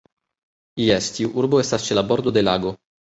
Jes, tiu urbo estas ĉe la bordo de lago.